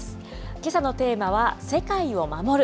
けさのテーマは、世界を守る。